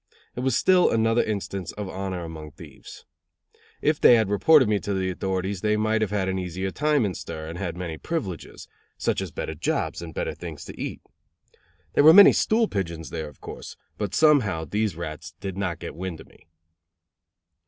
It was still another instance of honor among thieves. If they had reported me to the authorities, they might have had an easier time in stir and had many privileges, such as better jobs and better things to eat. There were many stool pigeons there, of course, but somehow these rats did not get wind of me.